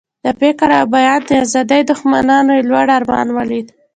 د فکر او بیان د آزادۍ دښمنانو یې لوړ ارمان ولید.